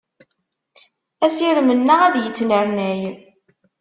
Asirem-nneɣ ad yettnernay.